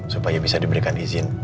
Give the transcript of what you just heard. supaya bisa diberikan izin